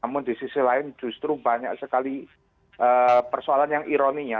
namun di sisi lain justru banyak sekali persoalan yang ironinya